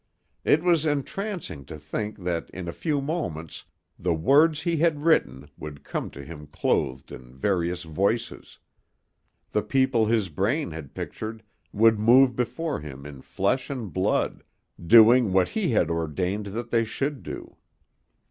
It was entrancing to think that in a few moments the words he had written would come to him clothed in various voices, the people his brain had pictured would move before him in flesh and blood, doing what he had ordained that they should do.